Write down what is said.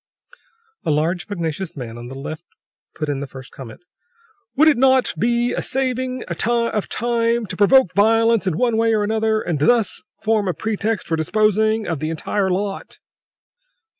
A large, pugnacious looking man on the left put in the first comment. "Would it not be a saving of time to provoke violence, in one way or another, and thus form a pretext for disposing of the entire lot?"